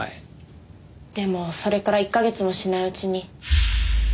でもそれから１か月もしないうちに。